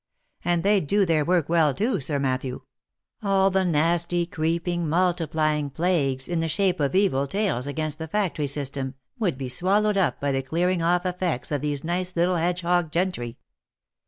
And they'd do their work well too, Sir Matthew: all the nasty, creeping, multiplying plagues, in the shape of evil tales against the factory system, would be swallowed up by the clearing off effects of these nice little hedge hog gentry."